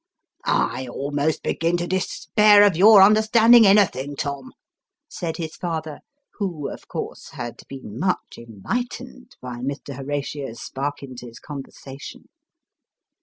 " I almost begin to despair of your understanding anything, Tom," said his father, who, of course, had been much enlightened by Mr. Horatio Sparkins's conversation.